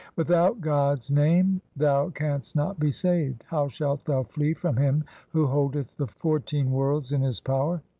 Without God's name thou canst not be saved. How shalt thou flee from Him who holdeth the fourteen worlds in His power